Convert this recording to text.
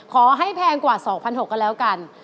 ขอให้แพงกว่า๒๖๐๐บาทกันแล้วกัน